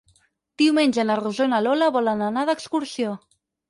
Diumenge na Rosó i na Lola volen anar d'excursió.